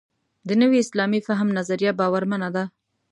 د نوي اسلامي فهم نظریه باورمنه ده.